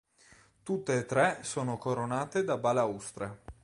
Tutte e tre sono coronate da balaustre.